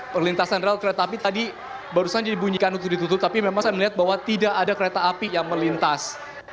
perlintasan rel kereta api tadi barusan jadi bunyikan tutup tutup tapi memang saya melihat bahwa tidak ada kereta api yang melintas